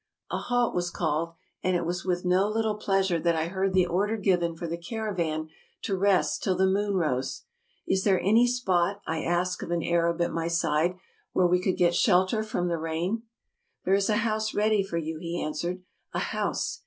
A halt was called; and it was with no little pleasure that I heard the order given for the caravan to rest till the moon rose. " Is there any spot," I asked of an Arab at my side, "where we could get shelter from the rain?" "There is a house ready for you," he answered. "A house!